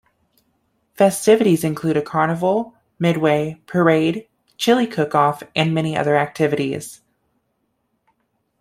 Festivities include a carnival, midway, parade, chili cook-off, and many other activities.